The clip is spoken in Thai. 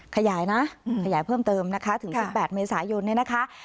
ขยายนะขยายเพิ่มเติมนะคะถึง๑๘เมษายนเนี่ยนะคะ